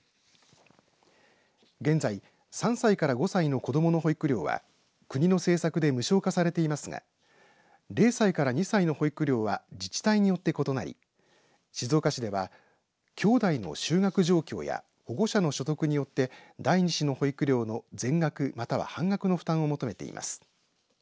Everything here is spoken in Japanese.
現在、３歳から５歳の子どもの保育料は国の政策で無償化されていますが０歳から２歳の保育料は自治体によって異なり静岡市ではきょうだいの就学状況や保護者の所得によって第２子の保育料の全額または半額の負担を求めています。